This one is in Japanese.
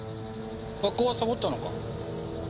学校はサボったのか？